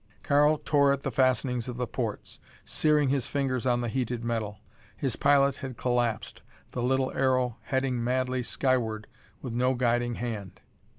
Karl tore at the fastenings of the ports, searing his fingers on the heated metal. His pilot had collapsed, the little aero heading madly skyward with no guiding hand.